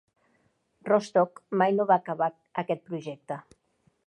Rostock mai no va acabar aquest projecte.